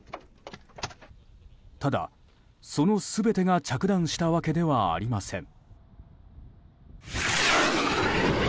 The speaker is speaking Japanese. ただ、その全てが着弾したわけではありません。